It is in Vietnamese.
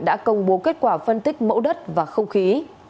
đã công bố kết quả phân tích mẫu đất và không khí